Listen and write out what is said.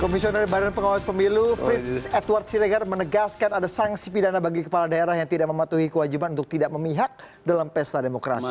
komisioner badan pengawas pemilu frits edward siregar menegaskan ada sanksi pidana bagi kepala daerah yang tidak mematuhi kewajiban untuk tidak memihak dalam pesta demokrasi